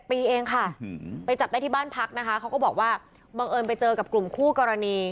ปีเองค่ะไปจับได้ที่บ้านพักนะคะเขาก็บอกว่าบังเอิญไปเจอกับกลุ่มคู่กรณี